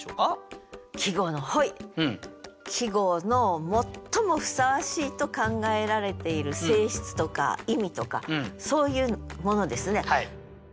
季語の最もふさわしいと考えられている性質とか意味とかそういうものですね。